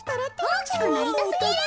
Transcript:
おおきくなりたすぎる。